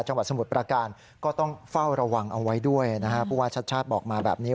จังหวัดสมุทรประการก็ต้องเฝ้าระวังเอาไว้ด้วยนะฮะผู้ว่าชัดชาติบอกมาแบบนี้